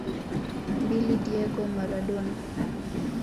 Mbili Diego Maradona